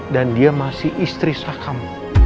dan dia masih istri sakam